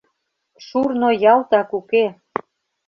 Шурно ялтак уке.